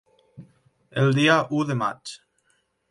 El dia u de maig.